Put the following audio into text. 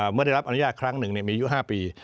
เมื่อได้รับอนุญาตครั้งหนึ่งมีอายุ๕ปี